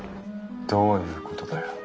どういうことだよ。